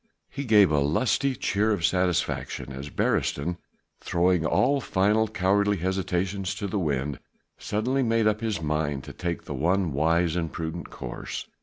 He gave a lusty cheer of satisfaction as Beresteyn, throwing all final cowardly hesitations to the wind, suddenly made up his mind to take the one wise and prudent course.